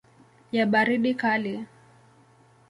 ya baridi kali.